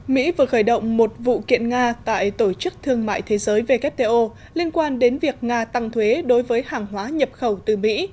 mỹ vừa khởi động một vụ kiện nga tại tổ chức thương mại thế giới wto liên quan đến việc nga tăng thuế đối với hàng hóa nhập khẩu từ mỹ